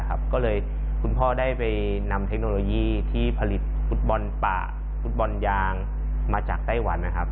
ก็เลยคุณพ่อได้ไปนำเทคโนโลยีที่ผลิตฟุตบอลป่าฟุตบอลยางมาจากไต้หวันนะครับ